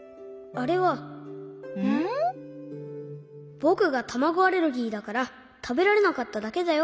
ぼくがたまごアレルギーだからたべられなかっただけだよ。